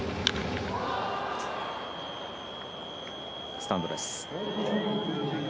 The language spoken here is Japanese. スタンドです。